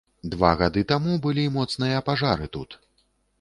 Два гады таму былі моцныя пажары тут.